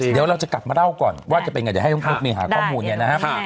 เดี๋ยวเราจะกลับมาเล่าก่อนว่าจะเป็นยังไงจะให้พวกมีหาข้อมูลอย่างนี้นะครับ